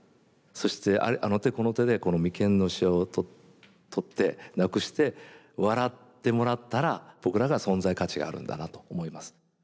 そしてあの手この手でこの眉間のしわを取ってなくして笑ってもらったら僕らが存在価値があるんだなと思います。